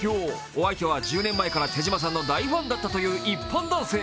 お相手は１０年前から手島さんの大ファンだったという一般男性。